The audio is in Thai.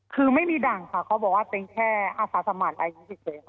คือไม่มีด่านค่ะเขาบอกว่าเป็นแค่อาสาสมัติอะไรอย่างนี้เฉยค่ะ